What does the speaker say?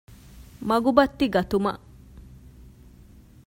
މަގުބައްތި ގަތުމަށް